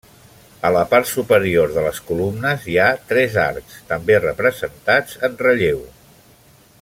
A la part superior de les columnes hi ha tres arcs, també representats en relleu.